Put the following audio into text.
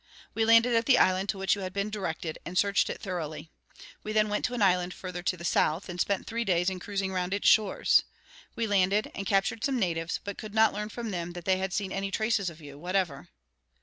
We landed at the island to which you had been directed, and searched it thoroughly. We then went to an island further to the south, and spent three days in cruising round its shores. We landed and captured some natives, but could not learn from them that they had seen any traces of you, whatever.